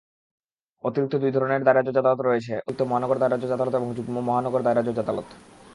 অতিরিক্ত দুই ধরণের দায়রা জজ আদালত রয়েছে, অতিরিক্ত মহানগর দায়রা জজ আদালত এবং যুগ্ম মহানগর দায়রা জজ আদালত।